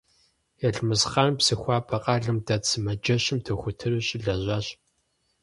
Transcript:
Елмэсхъан Псыхуабэ къалэм дэт сымаджэщым дохутыру щылэжьащ.